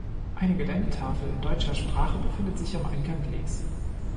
Eine Gedenktafel in deutscher Sprache befindet sich am Eingang links.